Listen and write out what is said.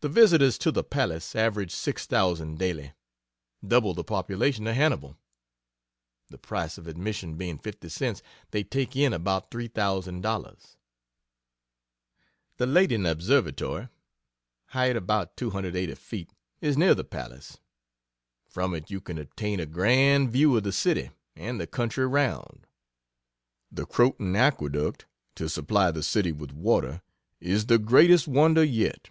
The visitors to the Palace average 6,000 daily double the population of Hannibal. The price of admission being 50 cents, they take in about $3,000. The Latting Observatory (height about 280 feet) is near the Palace from it you can obtain a grand view of the city and the country round. The Croton Aqueduct, to supply the city with water, is the greatest wonder yet.